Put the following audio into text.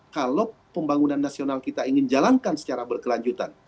kalau pembangunan nasional kita ingin jalankan secara berkelanjutan